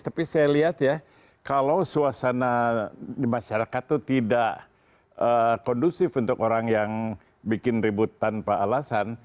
tapi saya lihat ya kalau suasana di masyarakat itu tidak kondusif untuk orang yang bikin ribut tanpa alasan